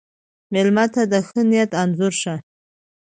مېلمه ته د ښه نیت انځور شه.